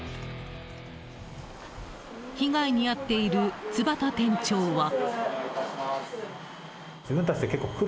被害に遭っている津幡店長は。